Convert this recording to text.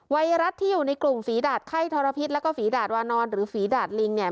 ไวรัสที่อยู่ในกลุ่มฝีดาดไข้ทรพิษแล้วก็ฝีดาดวานอนหรือฝีดาดลิงเนี่ย